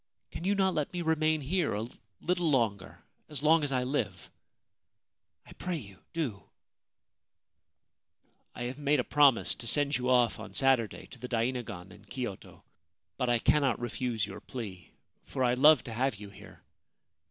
Can you not let me remain here a little longer — as long as I live ? I pray you, do !'' I have made a promise to send you off on Saturday to the dainagon in Kyoto ; but I cannot refuse your plea, for I love to have you here.